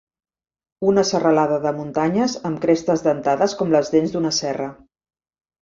Una serralada de muntanyes amb crestes dentades com les dents d'una serra.